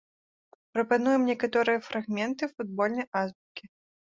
Прапануем некаторыя фрагменты футбольнай азбукі.